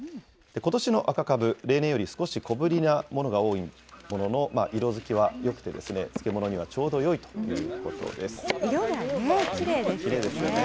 ことしの赤カブ、例年より少し小ぶりなものが多いものの、色づきはよくて、漬物に色がね、きれいですね。